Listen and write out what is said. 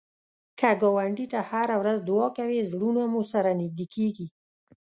که ګاونډي ته هره ورځ دعا کوې، زړونه مو سره نږدې کېږي